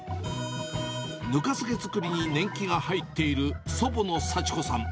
ぬか漬け作りに年季が入っている祖母の幸子さん。